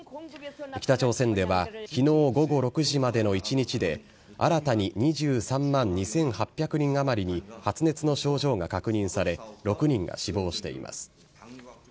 北朝鮮では昨日午後６時までの一日で新たに２３万２８００人あまりに発熱の症状が確認され６人が死亡しています。